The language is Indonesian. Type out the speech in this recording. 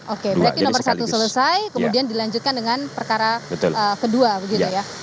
oke berarti nomor satu selesai kemudian dilanjutkan dengan perkara kedua begitu ya